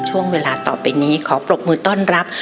ช่วงเวลาต่อไปนี้ขอปรบมือต้อนรับ